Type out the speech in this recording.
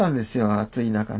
暑い中ね。